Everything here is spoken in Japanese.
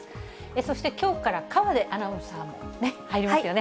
そして、きょうから河出アナウンサーも入りますよね。